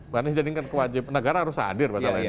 karena ini jadikan kewajiban negara harus hadir masalahnya ya